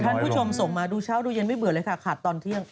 คุณผู้ชมส่งมาดูเช้าดูเย็นไม่เบื่อเลยค่ะขาดตอนเที่ยง